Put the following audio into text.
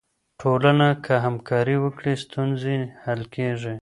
ټولنه که همکاري وکړي، ستونزې حل کیږي.